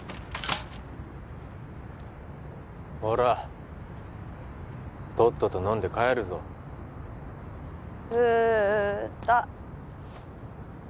ほらとっとと飲んで帰るぞフタチッ